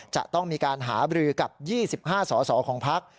จะต้องมีการหาบรือกับ๒๕สอสอของพัก